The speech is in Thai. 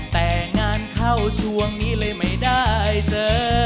แต่งานเข้าช่วงนี้เลยไม่ได้เจอ